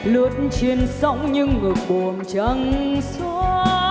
luất trên sóng những ngược bồn trăng xoa